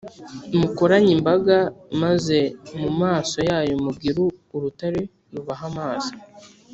mukoranye imbaga, maze mu maso yayo mubwire urutare rubahe amazi.